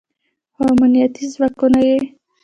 خو امنیتي ځواکونه یې